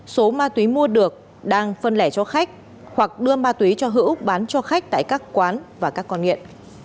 số ma túy mua được đang phân lẻ cho khách hoặc đưa ma túy cho hữu bán cho khách tại các quán và các con nghiện